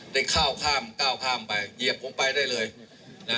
ได้ข้าวข้ามก้าวข้ามไปเหยียบผมไปได้เลยนะ